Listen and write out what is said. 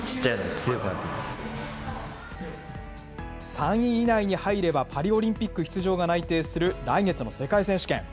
３位以内に入ればパリオリンピック出場が内定する来月の世界選手権。